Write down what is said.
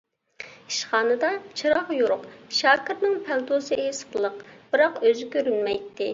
ئىشخانىدا چىراغ يورۇق، شاكىرنىڭ پەلتوسى ئېسىقلىق، بىراق ئۆزى كۆرۈنمەيتتى.